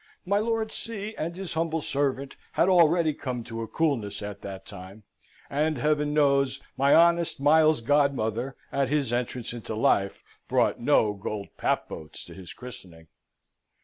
My Lord C. and his humble servant had already come to a coolness at that time, and, heaven knows! my honest Miles's godmother, at his entrance into life, brought no gold pap boats to his christening!